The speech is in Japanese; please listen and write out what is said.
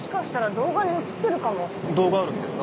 動画あるんですか？